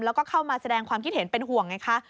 แล้วก็เข้ามาแสดงความคิดเห็นเป็นห่วงไงคะ